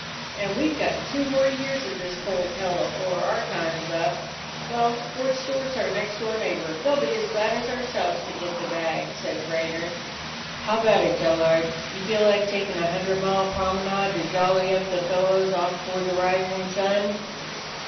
"And we 've got two more years of this cold hell afore our time 's up. Well, Fort Stewart 's our next door neighbor. They 'll be as glad as ourselves to get the bag," said 34 A DOG OF THE NORTHLAND Brainard. "How about it, Delard? You feel like taking a little hundred mile prom enade to jolly up the fellows off toward the rising sun?"